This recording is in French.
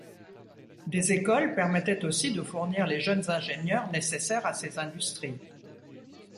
Des écoles permettaient aussi de fournir les jeunes ingénieurs nécessaires à ces industries.